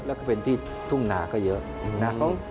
แล้วก็เป็นที่ทุ่งนาก็เยอะนะ